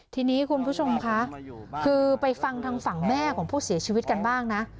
ทีนี้คุณผู้ชมคะคือไปฟังทางฝั่งแม่ของผู้เสียชีวิตกันบ้างนะ